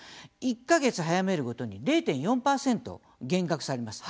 １か月早めるごとに０．４％減額されます。